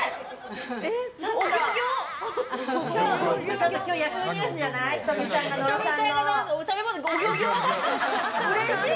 ちょっと今日Ｙａｈｏｏ！ニュースじゃない？